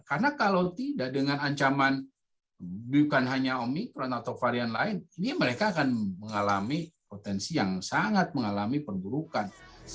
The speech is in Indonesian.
karena kalau tidak dengan ancaman bukan hanya omicron atau varian lain ini mereka akan mengalami potensi yang sangat mengalami perburukan